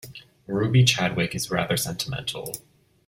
Ruby Chadwick is rather sentimental.